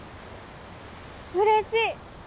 うれしい！